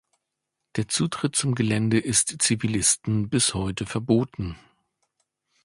Der Zutritt zum Gelände ist Zivilisten bis heute verboten.